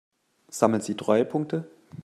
Sammeln Sie Treuepunkte?